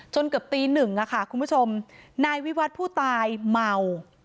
เกือบตีหนึ่งค่ะคุณผู้ชมนายวิวัตรผู้ตายเมา